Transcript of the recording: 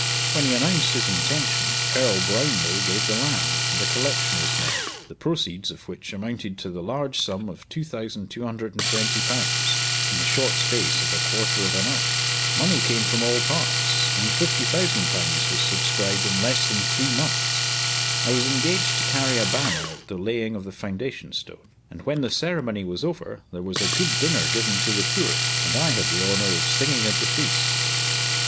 When he announced his intention, Earl Brownlow gave the land, and a collection was made, the proceeds of which amounted to the large sum of Ł2,220, in the short space of a quarter of an hour. Money came from all parts, and Ł50,000 was subscribed in less than three months. I was engaged to carry a banner at the laying of the foundation stone; and when the ceremony was over there was a good dinner given to the poor, and I had the honour of singing at the feast.